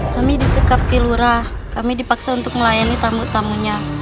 kami disekap kilurah kami dipaksa untuk melayani tamu tamunya